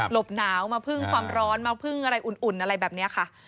บหนาวมาพึ่งความร้อนมาพึ่งอะไรอุ่นอะไรแบบนี้ค่ะ